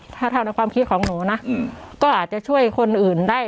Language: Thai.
ถ้าเท่าในความคิดของหนูนะก็อาจจะช่วยคนอื่นได้